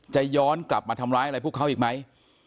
จะย้อนกลับมาทำร้ายอะไรพวกเขาอีกไหม